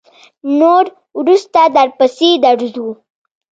نور وروسته درپسې درځو.